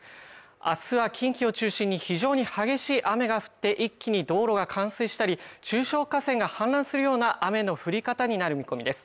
明日は近畿を中心に非常に激しい雨が降って一気に道路が冠水したり中小河川が氾濫するような雨の降り方になる見込みです